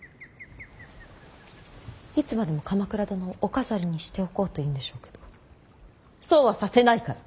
いつまでも鎌倉殿をお飾りにしておこうというんでしょうけどそうはさせないから。